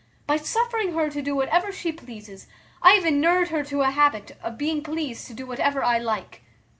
By suffering her to do whatever she pleases, I have enured her to a habit of being pleased to do whatever I like."